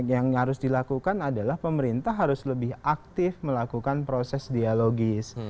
yang harus dilakukan adalah pemerintah harus lebih aktif melakukan proses dialogis